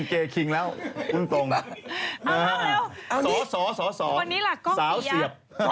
เนี่ยแข็งปั๊กเลย